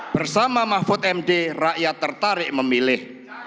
bersama mahfud md rakyat tertarik memilih